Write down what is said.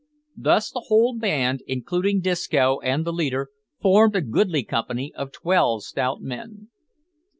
Thus the whole band, including Disco and the leader, formed a goodly company of twelve stout men.